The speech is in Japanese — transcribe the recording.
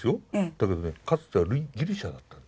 だけどねかつてはギリシャだったんです。